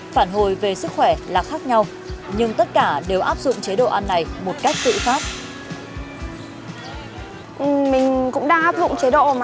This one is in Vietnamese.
phản hồi về sức khỏe là khác nhau nhưng tất cả đều áp dụng chế độ ăn cắt giảm tinh bột